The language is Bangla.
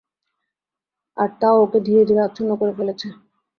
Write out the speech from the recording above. আর তা ওকে ধীরে ধীরে আচ্ছন্ন করে ফেলেছে।